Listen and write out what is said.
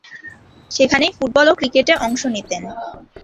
সেখানেই ফুটবল ও ক্রিকেটে অংশ নিতেন।